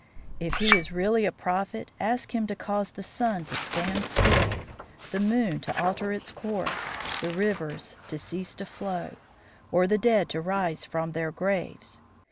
If he is really a prophet, ask him to cause the sun to stand still, the moon to alter its course, the rivers to cease to flow, or the dead to rise from their graves.